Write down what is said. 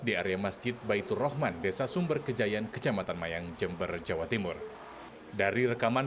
di area masjid baitulrohman desa sumber kejayaan kejamatan mayang jember jawa timur dari rekaman